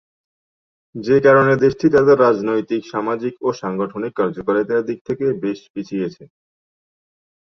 যে কারণে দেশটি তাদের রাজনৈতিক, সামাজিক ও গাঠনিক কার্যকারিতার দিক থেকে বেশ পিছিয়ে।